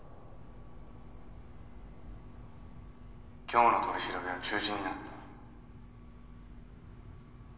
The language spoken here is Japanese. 今日の取り調べは中止になった。